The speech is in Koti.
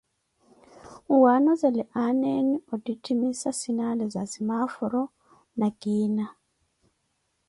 N ́wanozele aana enu ottitthimisa sinali za simaforo na kiina.